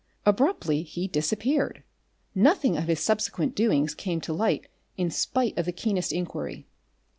Abruptly he disappeared. Nothing of his subsequent doings came to light in spite of the keenest inquiry.